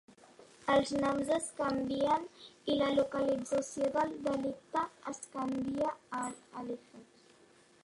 Els noms es canvien i la localització del delicte es canvia a Halifax.